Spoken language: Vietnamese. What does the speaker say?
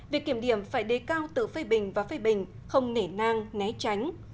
việc kiểm điểm phải đề cao tự phê bình và phê bình không nể nang né tránh